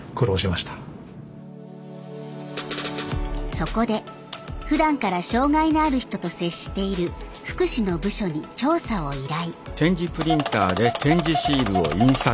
そこでふだんから障害のある人と接している福祉の部署に調査を依頼。